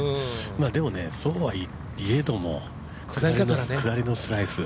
でもね、そうはいえども、下りのスライス。